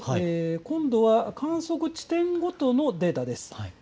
今度は観測地点ごとのデータです。